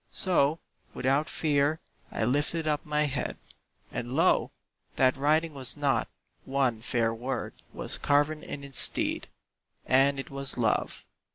So, without fear I lifted up my head, And lo! that writing was not, one fair word Was carven in its stead, and it was "Love."